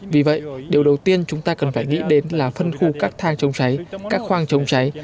vì vậy điều đầu tiên chúng ta cần phải nghĩ đến là phân khu các thang chống cháy các khoang chống cháy